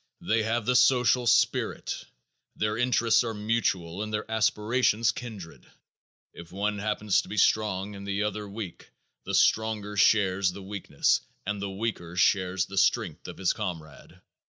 They have the social spirit. Their interests are mutual and their aspirations kindred. If one happens to be strong and the other weak, the stronger shares the weakness and the weaker shares the strength of his comrade.